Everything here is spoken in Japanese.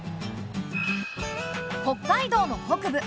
北海道の北部